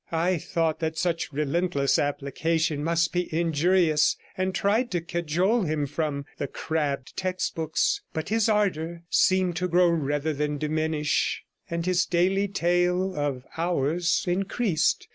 I thought that such relentless application must be injurious, and tried to cajole him from the crabbed textbooks, but his ardour seemed to grow rather than diminish, and his daily tale of hours increased.